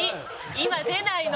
今出ないの。